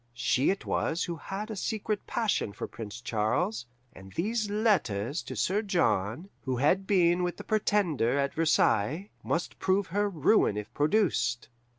She it was who had a secret passion for Prince Charles, and these letters to Sir John, who had been with the Pretender at Versailles, must prove her ruin if produced.